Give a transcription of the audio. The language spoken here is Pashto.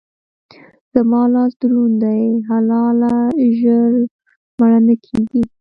زما لاس دروند دی؛ حلاله ژر مړه نه کېږي.